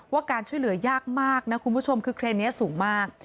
การช่วยเหลือยากมากนะคุณผู้ชมคือเครนนี้สูงมาก